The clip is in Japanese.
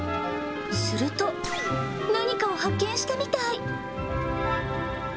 すると、何かを発見したみたい。